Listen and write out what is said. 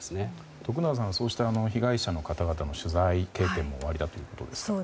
徳永さんはそうした被害者の方々の取材経験もおありだと思いますが。